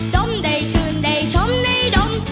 ดมได้ชื่นได้ชมในดม